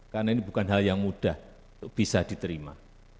karena ini bukan hal yang mudah bisa diterima